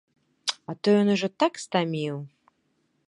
А то ён ужо так стаміў!